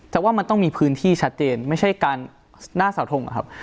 แต่ว่ามันต้องมีพื้นที่ชัดเจนไม่ใช่การหน้าเสาทงนะครับ